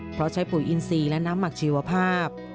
เพราะใช้ปุ๋ยอินซีและน้ำหมักชีวภาพ